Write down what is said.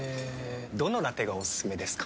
どのラテがおすすめですか？